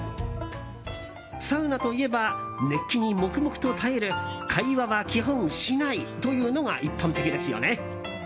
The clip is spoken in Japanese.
サウナといえば熱気に黙々と耐える会話は基本、しないというのが一般的ですよね。